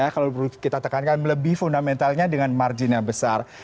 kalau perlu kita tekankan melebih fundamentalnya dengan margin yang besar